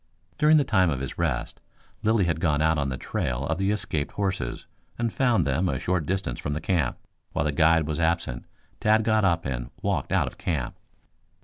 During the time of his rest Lilly had gone out on the trail of the escaped horses, and found them a short distance from the camp. While the guide was absent, Tad got up and walked out of camp.